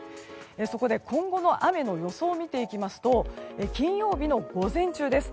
そこで今後の雨の予想を見ていきますと金曜日の午前中です。